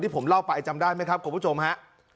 ผมเล่าไปจำได้ไหมครับคุณผู้ชมฮะ